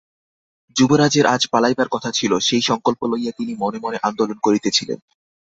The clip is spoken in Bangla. যুবরাজের আজ পলাইবার কথা ছিল– সেই সংকল্প লইয়া তিনি মনে মনে আন্দোলন করিতেছিলেন।